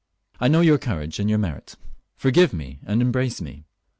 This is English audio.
I know your courage and your merit. Forgive me, and embrace me."